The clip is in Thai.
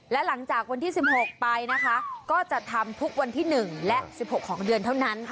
และหลังจากวันที่๑๖ไปนะคะก็จะทำทุกวันที่๑และ๑๖ของเดือนเท่านั้น